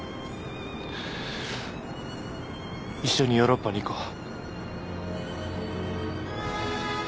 一緒にヨーロッパに行こう。